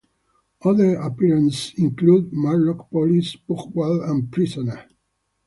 Other appearances include "Matlock Police", "Pugwall" and "Prisoner".